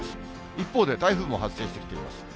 一方で台風も発生してきています。